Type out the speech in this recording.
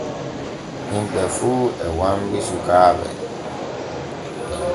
Himɓe fu e wambi sukaaɓe.